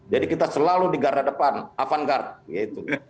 jadi kita selalu di garda depan avant garde